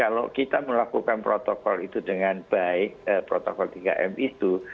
jadi kalau kita melakukan protokol itu dengan baik protokol tiga m itu